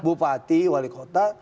tentu bupati wali kota